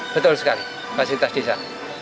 betul sekali fasilitas desa